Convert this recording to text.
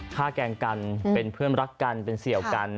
แกล้งกันเป็นเพื่อนรักกันเป็นเสี่ยวกัน